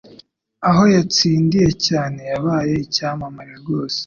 Aho yatsindiye cyane yabaye icyamamare rwose